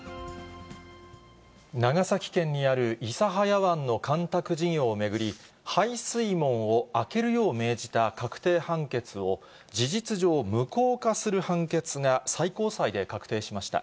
長崎県にある諫早湾の干拓事業を巡り、排水門を開けるよう命じた確定判決を、事実上、無効化する判決が、最高裁で確定しました。